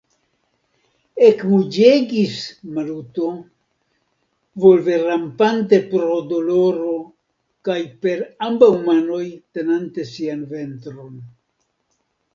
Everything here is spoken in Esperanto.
ekmuĝegis Maluto, volverampante pro doloro kaj per ambaŭ manoj tenante sian ventron.